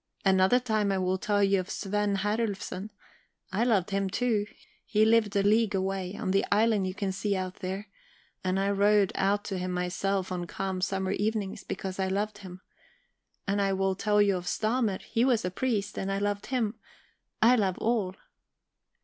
Another time I will tell you of Svend Herlufsen. I loved him too; he lived a league away, on the island you can see out there, and I rowed out to him myself on calm summer evenings, because I loved him. And I will tell you of Stamer. He was a priest, and I loved him. I love all..."